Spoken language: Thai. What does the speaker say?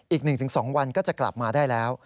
อีก๑๒วันก็จะกลับมาได้แล้ว